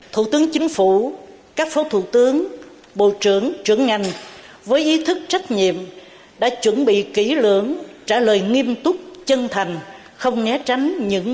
thủ tướng chính phủ các phó thủ tướng bộ trưởng trưởng ngành với ý thức trách nhiệm đã chuẩn bị kỹ lưỡng trả lời nghiêm túc chân thành không né tránh những